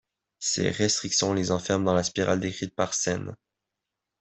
Ces restrictions les enferment dans la spirale décrite par Sen.